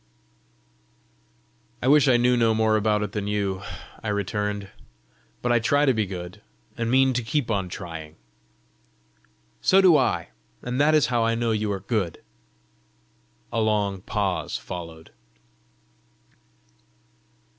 "I wish I knew no more about it than you!" I returned. "But I try to be good, and mean to keep on trying." "So do I and that is how I know you are good." A long pause followed.